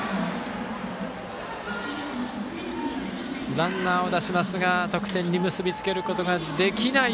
ランナーを出しますが得点に結び付けることができない